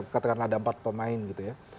katakanlah ada empat pemain gitu ya